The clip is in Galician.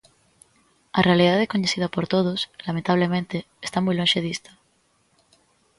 A realidade coñecida por todos, lamentablemente, está moi lonxe disto.